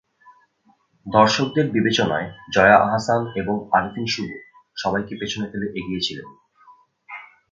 দর্শকদের বিবেচনায় জয়া আহসান এবং আরিফিন শুভ সবাইকে পেছনে ফেলে এগিয়ে ছিলেন।